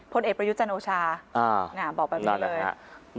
พลเอกประยุทธ์จันโอชาบอกแบบนี้เลย